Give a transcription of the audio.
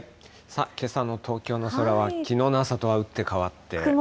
けさの東京の空はきのうの朝とは打って変わって。